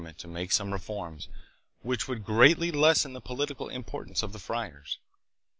ment to make some reforms, which would greatly lessen the political importance of the friars.